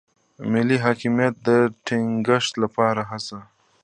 ملي حاکمیت د ټینګښت لپاره هڅه.